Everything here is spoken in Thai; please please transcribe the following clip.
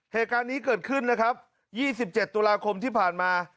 เหตุการณ์นี้เกิดขึ้นนะครับ๒๗ตุลาคมที่ผ่านมา